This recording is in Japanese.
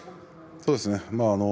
そうですね。